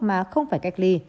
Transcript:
mà không phải cách ly